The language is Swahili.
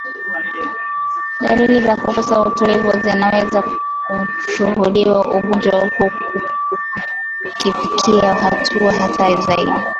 Dalili za kukosa utulivu zinaweza kushuhudiwa ugonjwa huu ukifikia hatua hatari zaidi